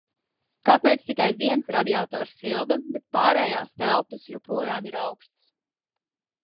Kāpēc tikai viens radiators silda, bet pārējās telpas joprojām ir aukstas?